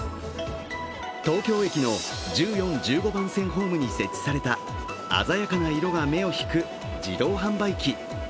東京駅の１４・１５番線ホームに設置された鮮やかな色が目を引く自動販売機。